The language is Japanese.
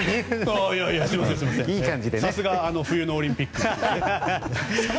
さすが冬のオリンピック。